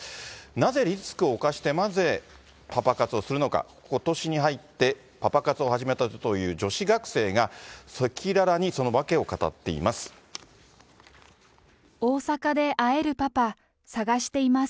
なぜ、リスクを冒してまでパパ活をするのか、ことしに入ってパパ活を始めたという女子学生が、赤裸々にその訳を語っています。